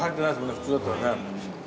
普通だったらね。